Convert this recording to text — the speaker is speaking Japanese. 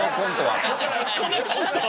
このコントは。